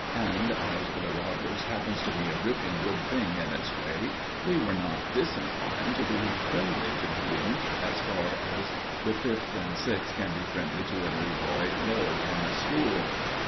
and as "The Robbers" happens to be a ripping good thing in its way, we were not disinclined to be friendly to Wundt, as far as the Fifth and Sixth can be friendly to a new boy low in the school.